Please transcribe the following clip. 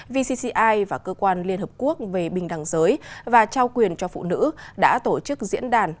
vcci và cơ quan liên hợp quốc về bình đẳng giới và trao quyền cho phụ nữ đã tổ chức diễn đàn